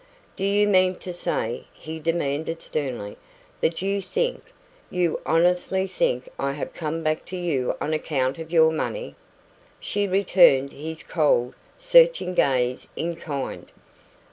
"Do you mean to say," he demanded sternly, "that you think you honestly think I have come back to you on account of your money?" She returned his cold, searching gaze in kind.